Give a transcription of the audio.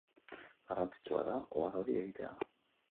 Garrantzitsua da ohar hori egitea.